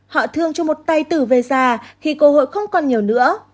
họ thương cho một tay tử về già khi cơ hội không còn nhiều nữa